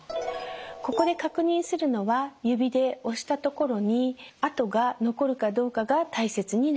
ここで確認するのは指で押したところに痕が残るかどうかが大切になります。